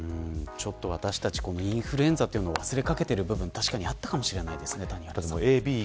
私たち、インフルエンザというのを忘れかけてる部分もあったかもしれないですね。